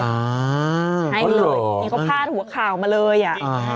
เห็นหรืออ๋อหรอนี่ก็พลาดหัวข่าวมาเลยอ่ะอ๋อ